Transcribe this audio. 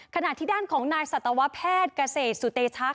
ขณะที่ด้านของนายสัตวแพทย์กระเศษสุเตชัก